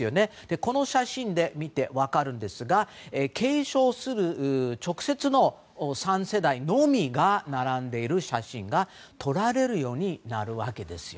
この写真で見て分かるんですが継承する直接の３世代のみが並んでいる写真が撮られるようになるんです。